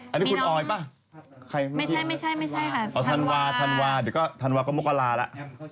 หรือคุณออยป่ะใครไม่ใช่ถันวาเดี๋ยวก็ถันวาก็โมกลาล่ะ